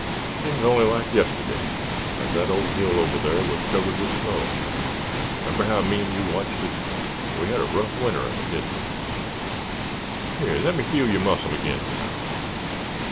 Seems ony like yist'day, thet that ole hill over thar wuz covered with snow—'member how me an' you watched it? We had a rough winter of it, didn't we. Here, lemme feel yer muscle agin now.